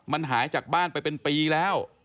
มันหายจากบ้านไปเป็นปีแล้ว